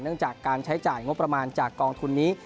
จากการใช้จ่ายงบประมาณจากกองทุนนี้